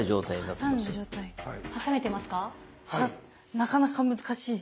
なかなか難しい。